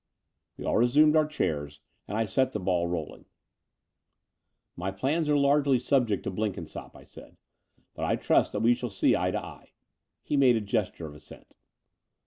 We all resumed our chairs: and I set the ball rolling. "My plans are largely subject to Blenkinsopp," I said, "but I trust that we shall see eye to eye.'* He made a gesture of assent.